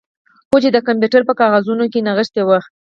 هو چې د کمپیوټر په کاغذونو کې نغښتې وه